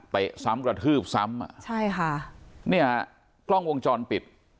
ซ้ำกระทืบซ้ำอ่ะใช่ค่ะเนี่ยกล้องวงจรปิด